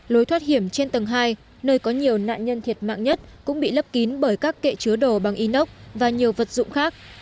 lối thoát hiểm trên tầng hai nơi có nhiều nạn nhân thiệt mạng nhất cũng bị lấp kín bởi các kệ chứa đồ bằng inox và nhiều vật dụng khác